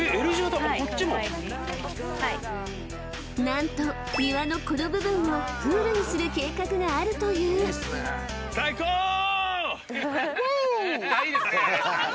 ［何と庭のこの部分をプールにする計画があるという］いいですね。